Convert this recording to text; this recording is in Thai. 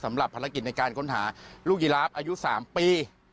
สำหรับภารกิจในการค้นหาลูกยีราฟอายุ๓ปี